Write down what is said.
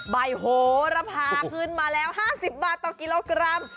ใบโหระพาขึ้นมาแล้ว๕๐บาทต่อกิโลกรัม